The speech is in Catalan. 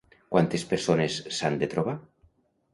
Quantes persones s'han de trobar?